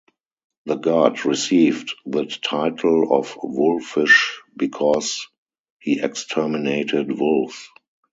The god received the title of Wolfish because he exterminated wolves.